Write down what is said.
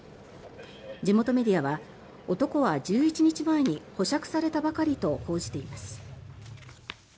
地元メディアは男は１１日前に保釈されたばかりと報じています。